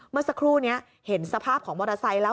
เมื่อสักครู่นี้เห็นสภาพของมอเตอร์ไซค์แล้ว